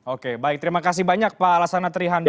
oke baik terima kasih banyak pak alassana trihandoko